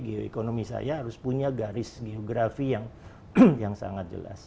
jadi ekonomi saya harus punya garis geografi yang sangat jelas